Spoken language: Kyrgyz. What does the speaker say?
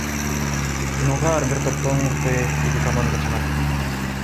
Финалга ар бир топтон мыкты эки команда чыгат.